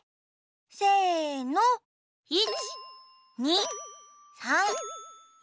せの１２３４。